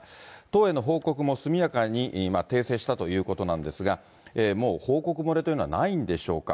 党への報告も速やかに訂正したということなんですが、もう報告漏れというのはないんでしょうか。